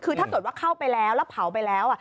คือถ้าเกิดว่าเข้าไปแล้วแล้วเผาไปแล้ว